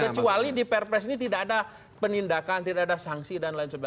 kecuali di perpres ini tidak ada penindakan tidak ada sanksi dan lain sebagainya